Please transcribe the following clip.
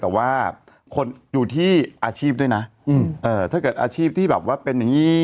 แต่ว่าคนอยู่ที่อาชีพด้วยนะถ้าเกิดอาชีพที่แบบว่าเป็นอย่างนี้